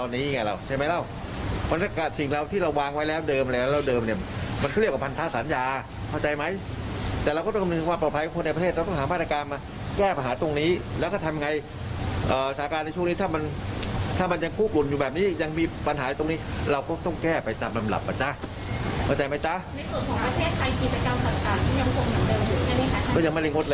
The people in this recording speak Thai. นี่ถ้ามีบ๊อบสะบัดบ๊อบผมจะใหยเลย